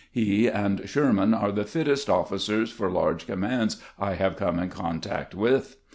He and Sherman are the fittest officers for large commands I have come in contact with."